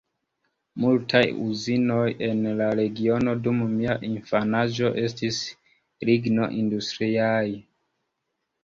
Multaj uzinoj en la regiono dum mia infanaĝo estis lignoindustriaj.